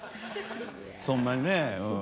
そんなにねうん。